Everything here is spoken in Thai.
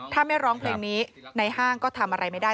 ถ้าไม่ร้องเพลงนี้ในห้างก็ทำอะไรไม่ได้